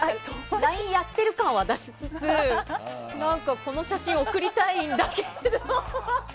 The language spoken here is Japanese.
ＬＩＮＥやってる感は出しつつこの写真、送りたいんだけど。